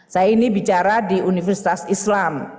saya ini bicara di universitas islam